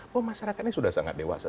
bahwa masyarakat ini sudah sangat dewasa